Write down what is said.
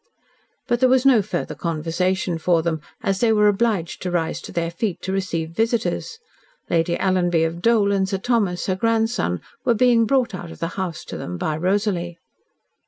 But there was no further conversation for them, as they were obliged to rise to their feet to receive visitors. Lady Alanby of Dole and Sir Thomas, her grandson, were being brought out of the house to them by Rosalie.